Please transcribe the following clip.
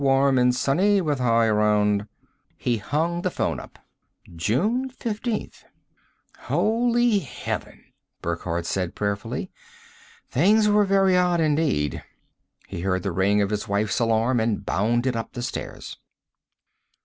Warm and sunny, with high around " He hung the phone up. June 15th. "Holy heaven!" Burckhardt said prayerfully. Things were very odd indeed. He heard the ring of his wife's alarm and bounded up the stairs.